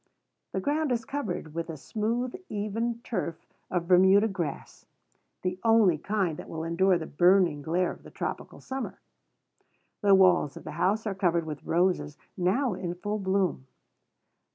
The ground is covered with a smooth, even turf of Bermuda grass, the only kind that will endure the burning glare of the tropical summer. The walls of the house are covered with roses, now in full bloom.